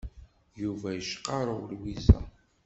Yuba yecqarrew Lwiza.